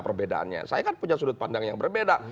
perbedaannya saya kan punya sudut pandang yang berbeda